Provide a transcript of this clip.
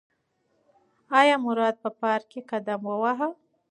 ایا مراد په پار ک کې قدم وواهه؟